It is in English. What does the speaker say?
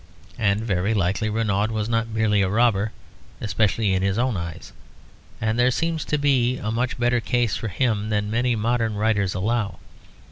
And very likely Renaud was not merely a robber, especially in his own eyes; and there seems to be a much better case for him than many modern writers allow.